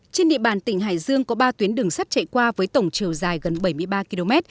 trên địa bàn tỉnh hải dương có ba tuyến đường sắt chạy qua với tổng chiều dài gần bảy mươi ba km